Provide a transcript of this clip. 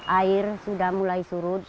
air sudah mulai surut